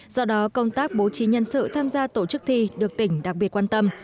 do đó công tác bố trí nhân sự tham gia tổ chức thi được tỉnh đặc biệt quan tâm